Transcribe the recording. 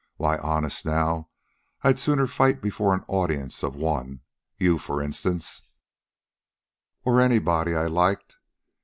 Why, honest, now, I'd sooner fight before an audience of one you for instance, or anybody I liked.